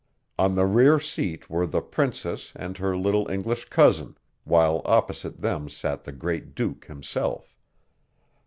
On the rear seat were the princess and her little English cousin, while opposite them sat the great duke himself.